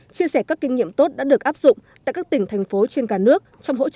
chia sẻ các kinh nghiệm tốt đã được áp dụng tại các tỉnh thành phố trên cả nước trong hỗ trợ